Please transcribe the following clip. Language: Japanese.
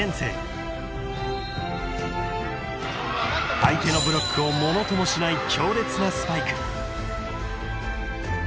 ［相手のブロックをものともしない強烈な］